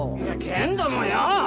けんどもよ！